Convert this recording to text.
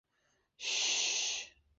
降级徐州帅府经历官。